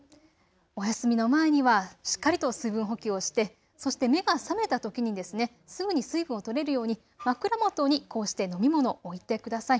お休みの前にはしっかりと水分補給をして、そして目が覚めたときにすぐに水分をとれるように枕元にこうして飲み物、置いてください。